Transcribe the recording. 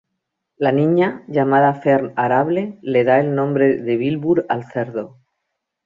La niña, llamada Fern Arable, le da el nombre de Wilbur al cerdo.